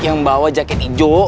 yang bawa jaket hijau